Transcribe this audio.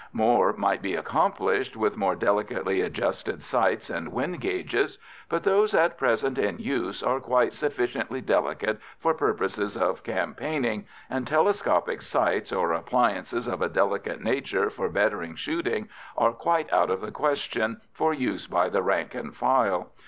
More might be accomplished with more delicately adjusted sights and wind gauges, but those at present in use are quite sufficiently delicate for purposes of campaigning, and telescopic sights, or appliances of a delicate nature for bettering shooting, are quite out of the question for use by the rank and file.